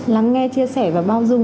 lắng nghe chia sẻ và bao dung